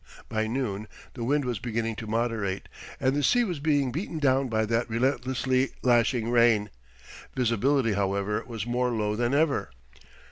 By noon the wind was beginning to moderate, and the sea was being beaten down by that relentlessly lashing rain. Visibility, however, was more low than ever.